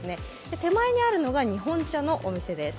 手前にあるのが日本茶のお店です。